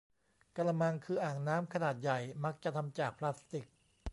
กะละมัง คืออ่างน้ำขนาดใหญ่ มักจะทำจากพลาสติก